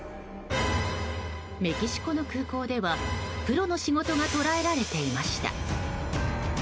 メキシコの空港ではプロの仕事が捉えられていました。